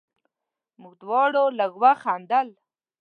موږ دواړو لږ وخندل.